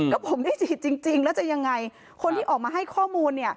ก็ผมได้ฉีดจริงแล้วจะยังไงคนที่ออกมาให้ข้อมูลเนี่ย